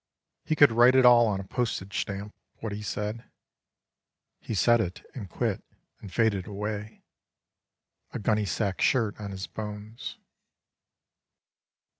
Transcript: We could write it all on a postage stamp, what he said. He said it and quit and faded away, A gunnysack shirt on his bones.)